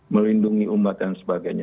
melindungi umat dan sebagainya